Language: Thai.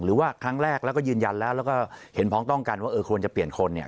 หรือว่าครั้งแรกแล้วก็ยืนยันแล้วแล้วก็เห็นพ้องต้องกันว่าเออควรจะเปลี่ยนคนเนี่ย